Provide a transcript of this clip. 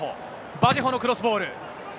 バジェホのクロスボール。